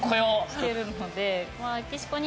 してるので。